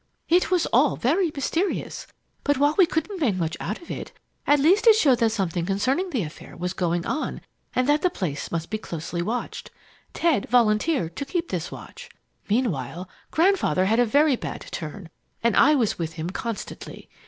"It was all very mysterious, but while we couldn't make much out of it, at least it showed that something concerning the affair was going on and that the place must be closely watched. Ted volunteered to keep this watch. Meanwhile, Grandfather had had a very bad turn and I was with him constantly.